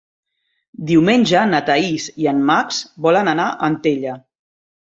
Diumenge na Thaís i en Max volen anar a Antella.